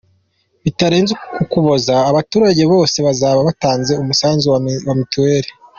Bitarenze Ukuboza abaturage bose bazaba batanze umusanzu wa Mitiweli